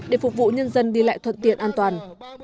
để phục vụ nhân dân đi lại thuận tiện an toàn